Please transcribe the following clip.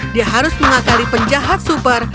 dia harus mengakali penjahat super